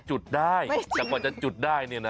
จุดได้จับหน่อยจะจุดได้เนี่ยนะ